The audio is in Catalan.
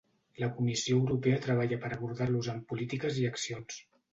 La Comissió Europea treballa per abordar-los amb polítiques i accions.